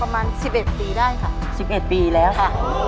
ประมาณ๑๑ปีได้ค่ะ๑๑ปีแล้วค่ะ